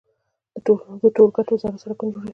د ټولګټو وزارت سړکونه جوړوي